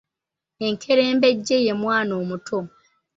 Enkerembejje ye Mwana omuto.